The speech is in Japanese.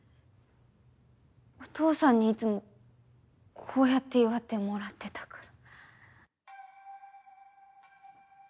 お父さんにいつもこうやって祝ってもらってたから。